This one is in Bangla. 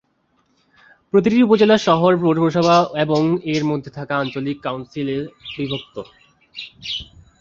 প্রতিটি উপজেলা শহর, পৌরসভা এবং এর মধ্যে থাকা আঞ্চলিক কাউন্সিলে বিভক্ত।